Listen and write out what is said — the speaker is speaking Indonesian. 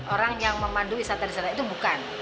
orang yang memandu wisata wisata itu bukan